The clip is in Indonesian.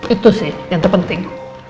itu sih yang terpenting